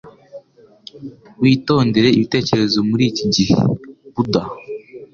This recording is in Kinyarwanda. witondere ibitekerezo muri iki gihe.” - Budha